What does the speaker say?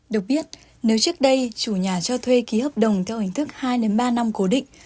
được biết nếu trước đây chủ nhà cho thuê ký hợp đồng theo hình thức hai ba năm cố định